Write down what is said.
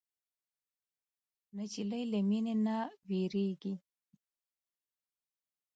نجلۍ له مینې نه وږيږي.